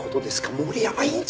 森山院長！